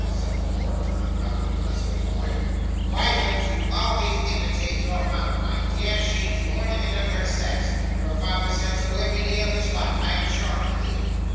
said the dwarf, turing round and addressing his wife, 'why don't you always imitate your mother, my dear? She's the ornament of her sex your father said so every day of his life. I am sure he did.